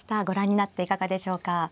ご覧になっていかがでしょうか。